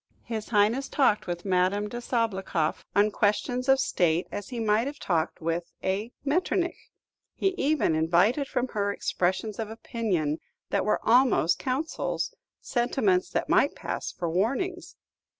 His Highness talked with Madame de Sabloukoff on questions of state as he might have talked with a Metternich; he even invited from her expressions of opinion that were almost counsels, sentiments that might pass for warnings.